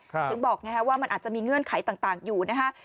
ถึงบอกไงฮะว่ามันอาจจะมีเงื่อนไขต่างอยู่นะฮะ